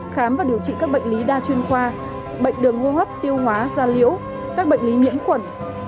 khám và điều trị các bệnh lý đa chuyên khoa bệnh đường hô hấp tiêu hóa da liễu các bệnh lý nhiễm khuẩn